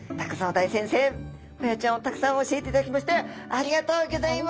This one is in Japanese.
大先生ホヤちゃんをたくさん教えていただきましてありがとうギョざいます！